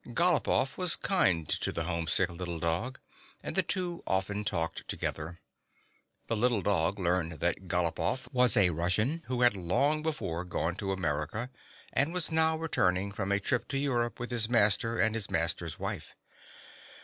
Gal opoff was kind to the homesick little dog, and the two often talked together. The little dog learned that Galopoff was a Russian, who had long before gone to America, and w T as now returning from a trip to Europe with his master and his master's wife.